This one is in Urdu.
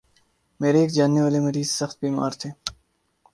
میرے ایک جاننے والے مریض سخت بیمار تھے